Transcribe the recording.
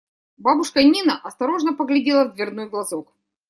Бабушка Нина осторожно поглядела в дверной глазок.